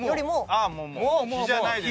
あっもう比じゃないです。